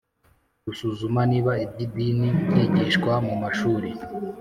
Gusuzuma niba iby’idini byigishwa mu mashuri